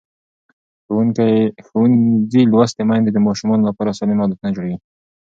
ښوونځې لوستې میندې د ماشومانو لپاره سالم عادتونه جوړوي.